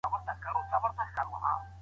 طبي وسایل څنګه تعقیم کیږي؟